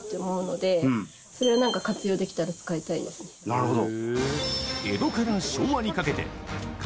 なるほど。